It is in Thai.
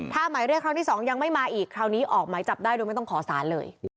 ถ้าหมายเรียกครั้งที่๒ยังไม่มาอีกคราวนี้ออกหมายจับได้โดยไม่ต้องขอสารเลย